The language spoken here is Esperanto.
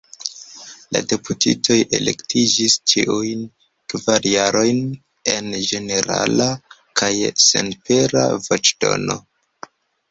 La deputitoj elektiĝis ĉiujn kvar jarojn en ĝenerala kaj senpera voĉdono.